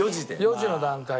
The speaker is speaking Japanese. ４時の段階で。